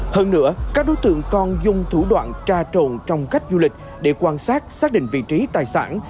hơn nữa các đối tượng còn dùng thủ đoạn tra trộn trong cách du lịch để quan sát xác định vị trí tài sản